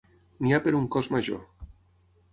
N'hi ha per a un cos major.